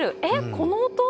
この音？